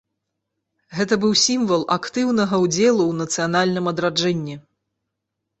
Гэта быў сімвал актыўнага ўдзелу ў нацыянальным адраджэнні.